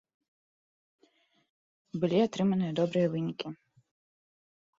Былі атрыманыя добрыя вынікі.